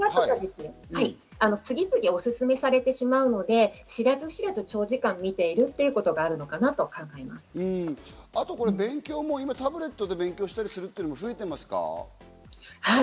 次々おすすめされてしまうので知らず知らず長時間見ているというあと勉強も今タブレットで勉強したりする子も増えていますか？